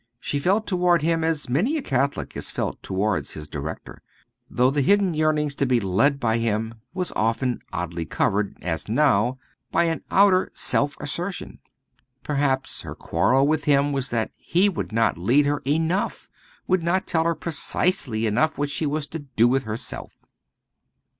She felt towards him as many a Catholic has felt towards his director; though the hidden yearning to be led by him was often oddly covered, as now, by an outer self assertion. Perhaps her quarrel with him was that he would not lead her enough would not tell her precisely enough what she was to do with herself.